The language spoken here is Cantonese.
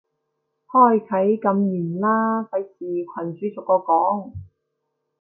開啟禁言啦，費事群主逐個講